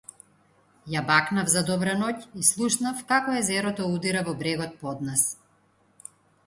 Ја бакнав за добра ноќ и слушав како езерото удира во брегот под нас.